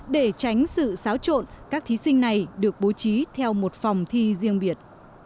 để tránh sự xáo trộn các thí sinh này được bố trí theo một phòng thi riêng biệt